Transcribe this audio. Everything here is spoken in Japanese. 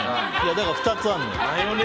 だから、２つあるのよ。